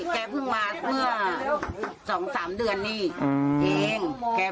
แกเพิ่งมาเมื่อ๒๓เดือนนี่เอง